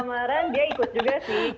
sebenarnya pas kemarin dia ikut juga sih